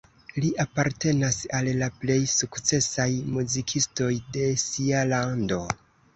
Li apartenas al la plej sukcesaj muzikistoj de sia lando.